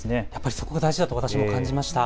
そこが大事だと私も感じました。